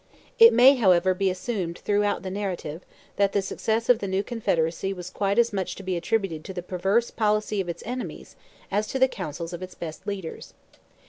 It may, however, be assumed throughout the narrative, that the success of the new Confederacy was quite as much to be attributed to the perverse policy of its enemies as to the counsels of its best leaders.